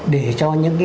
để cho những cái